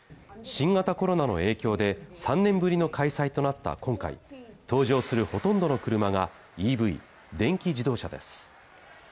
新型コロナの影響で３年ぶりの開催となった今回登場するほとんどの車がＥＶ＝電気自動車です